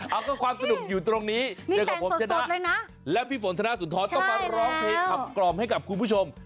เอาก็ความสนุกอยู่ตรงนี้เจอกับผมชนะแล้วพี่ฝนธนสุนทรต้องมาร้องเพลงขับกล่อมให้กับคุณผู้ชม